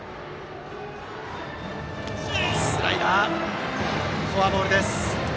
スライダー、フォアボールです。